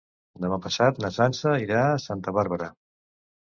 Demà passat na Sança irà a Santa Bàrbara.